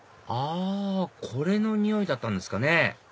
あこれの匂いだったんですかね